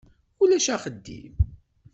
Ulac axeddim.